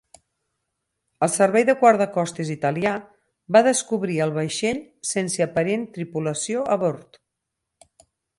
El servei de guardacostes italià va descobrir el vaixell sense aparent tripulació a bord.